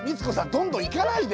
どんどん行かないで。